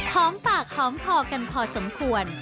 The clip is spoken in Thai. หอมปากหอมคอกันพอสมควร